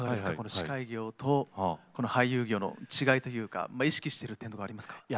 司会業と俳優業の違いというか意識してる点とかありますか？